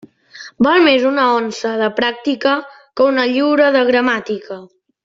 Val més una onça de pràctica que una lliura de gramàtica.